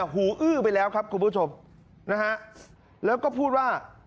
หูอื้อไปแล้วครับคุณผู้ชมนะฮะแล้วก็พูดว่า